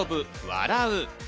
笑う！」。